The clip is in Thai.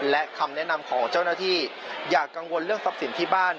และคำแนะนำของเจ้าหน้าที่อย่ากังวลเรื่องทรัพย์สินที่บ้าน